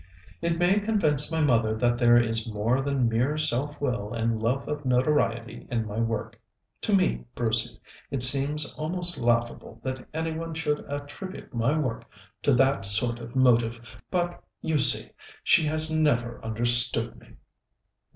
"It may convince my mother that there is more than mere self will and love of notoriety in my work. To me, Brucey, it seems almost laughable that any one should attribute my work to that sort of motive, but, you see, she has never understood me."